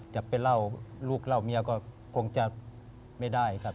จะไปเล่าลูกเล่าเมียก็คงจะไม่ได้ครับ